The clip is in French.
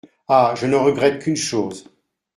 Ah ! je ne regrette qu’une chose…